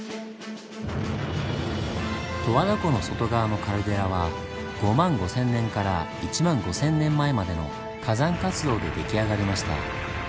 十和田湖の外側のカルデラは５万５０００年１万５０００年前までの火山活動ででき上がりました。